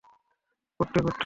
কুট্টি, কুট্টি!